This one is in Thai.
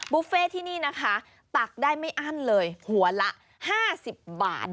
บุฟเฟ่ที่นี่นะคะตักได้ไม่อั้นเลยหัวละ๕๐บาท